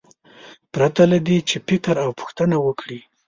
پرته له دې چې فکر او پوښتنه وکړي.